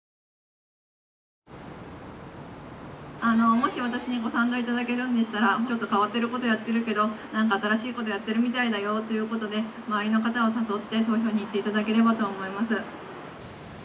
もし私にご賛同いただけるんでしたらちょっと変わってることやってるけど何か新しいことやってるみたいだよということで周りの方を誘って投票に行っていただければと思います。